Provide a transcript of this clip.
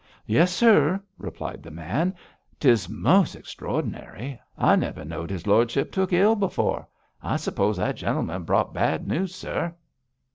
'Yes, sir,' replied the man. ''Tis mos' extraordinary. I never knowed his lordship took ill before. I suppose that gentleman brought bad news, sir.'